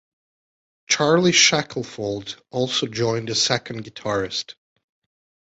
Charley Shackelford also joined as a second guitarist.